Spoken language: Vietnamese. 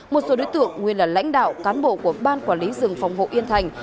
một số đối tượng nguyên là lãnh đạo cán bộ của ban quản lý rừng phòng hộ yên thành